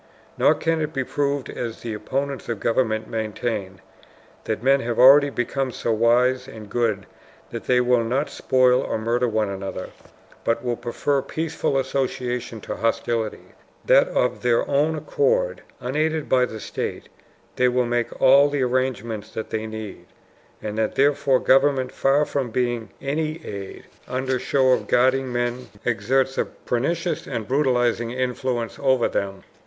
Nor can it be proved as the opponents of government maintain that men have already become so wise and good that they will not spoil or murder one another, but will prefer peaceful associations to hostilities; that of their own accord, unaided by the state, they will make all the arrangements that they need, and that therefore government, far from being any aid, under show of guarding men exerts a pernicious and brutalizing influence over them.